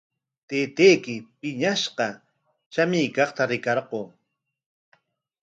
Taytayki piñashqa shamuykaqta rikarquu.